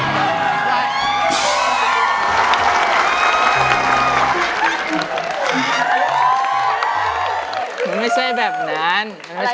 ไม่ใช่แบบนั้น